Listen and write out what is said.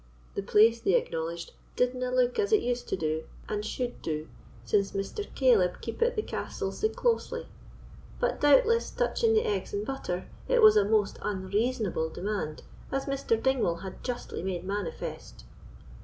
The place, they acknowledged, "didna look as it used to do, and should do, since Mr. Caleb keepit the castle sae closely; but doubtless, touching the eggs and butter, it was a most unreasonable demand, as Mr. Dingwall had justly made manifest."